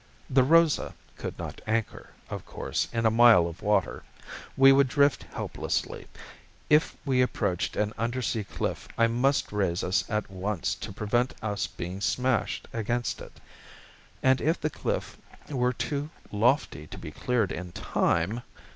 The Rosa could not anchor, of course, in a mile of water. We would drift helplessly. If we approached an undersea cliff I must raise us at once to prevent us being smashed against it. And if the cliff were too lofty to be cleared in time....